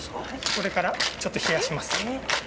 これから、ちょっと冷します。